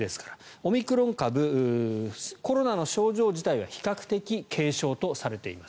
オミクロン株コロナの症状自体は比較的軽症とされています。